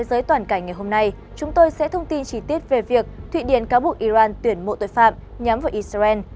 với thông tin trí tiết về việc thụy điển cáo buộc iran tuyển mộ tội phạm nhắm vào israel